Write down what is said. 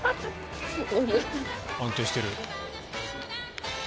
安定してる。